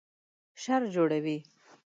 شر جوړوي